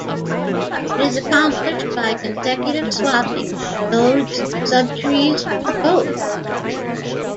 It is accomplished by consecutive swappings of nodes, subtrees, or both.